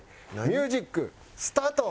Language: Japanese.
ミュージックスタート。